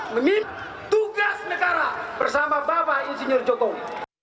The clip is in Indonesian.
meminta tugas negara bersama bapak insinyur jokowi